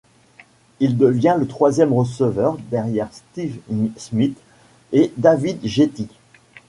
Il devient le troisième receveur derrière Steve Smith et David Gettis.